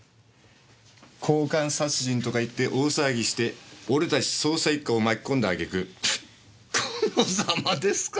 交換殺人とか言って大騒ぎして俺たち捜査一課を巻き込んだ揚げ句このザマですか？